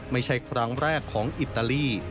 ไม่ใช่ครั้งแรกของอิตาลี